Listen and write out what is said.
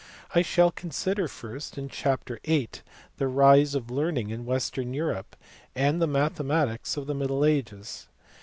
I shall consider first, in chapter vin., the rise of learning in western Europe, and the mathematics of the middle ages.